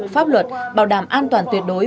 pháp luật bảo đảm an toàn tuyệt đối